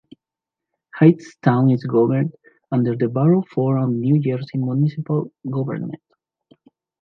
Hightstown is governed under the Borough form of New Jersey municipal government.